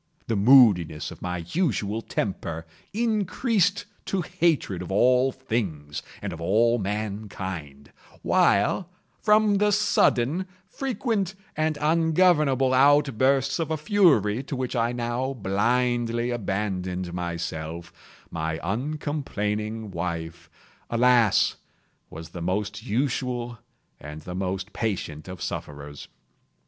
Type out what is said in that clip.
The moodiness of my usual temper increased to hatred of all things and of all mankind; while, from the sudden, frequent, and ungovernable outbursts of a fury to which I now blindly abandoned myself, my uncomplaining wife, alas, was the most usual and the most patient of sufferers.